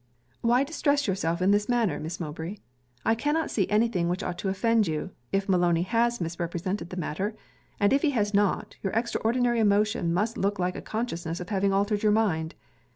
'Why distress yourself in this manner, Miss Mowbray? I cannot see any thing which ought to offend you, if Maloney has misrepresented the matter, and if he has not, your extraordinary emotion must look like a consciousness of having altered your mind.